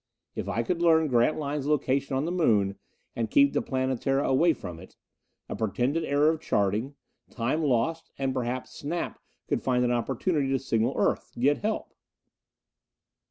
If I could learn Grantline's location on the Moon, and keep the Planetara away from it. A pretended error of charting. Time lost and perhaps Snap could find an opportunity to signal Earth, get help.